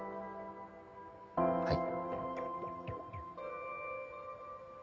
はい。